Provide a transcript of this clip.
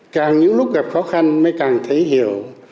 càng những lúc gặp khó khăn mới càng thấy hiểu